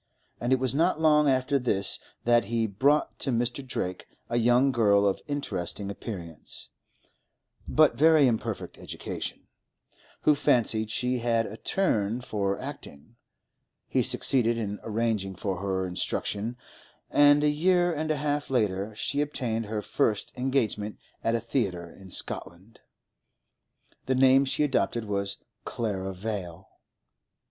And it was not long after this that he brought to Mr. Drake a young girl of interesting appearance, but very imperfect education, who fancied she had a turn for acting; he succeeded in arranging for her instruction, and a year and a half later she obtained her first engagement at a theatre in Scotland. The name she adopted was Clara Vale.